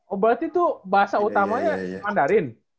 oh berarti tuh bahasa utamanya mandarin